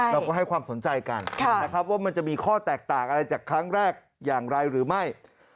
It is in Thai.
เราก็ให้ความสนใจกันนะครับว่ามันจะมีข้อแตกต่างอะไรจากครั้งแรกอย่างไรหรือไม่